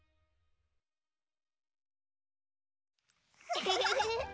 ウフフフ！